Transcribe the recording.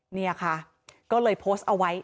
เนี่ยค่ะก็เลยโพสต์เอาไว้